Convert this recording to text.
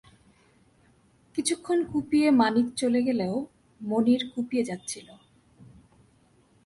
কিছুক্ষণ কুপিয়ে মানিক চলে গেলেও মনির কুপিয়ে যাচ্ছিল।